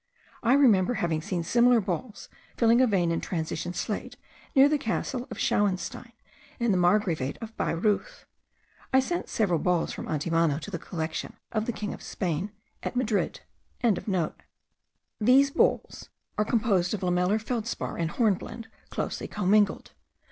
I remember having seen similar balls filling a vein in transition slate, near the castle of Schauenstein in the margravate of Bayreuth. I sent several balls from Antimano to the collection of the king of Spain at Madrid.) These balls are composed of lamellar feldspar and hornblende closely commingled.